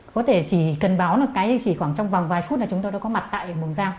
có thể chỉ cần báo trong vòng vài phút là chúng tôi đã có mặt tại mùng giam